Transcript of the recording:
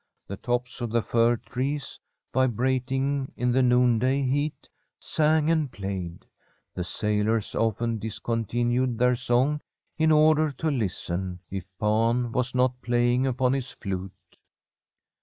The tops of the fir trees, vibrating in the noonday heat, sang and played. The sailors often dis continued their song in order to listen, if Pan was not playing upon his flute.